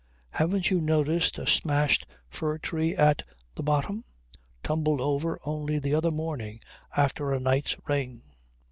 Haven't you noticed a smashed fir tree at the bottom? Tumbled over only the other morning after a night's rain."